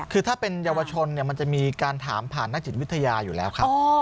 คือถ้าเป็นเยาวชนมันจะมีการถามผ่านนักจิตวิทยาอยู่แล้วครับ